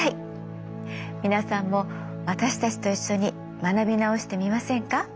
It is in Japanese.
皆さんも私たちと一緒に学び直してみませんか？